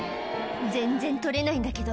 「全然取れないんだけど」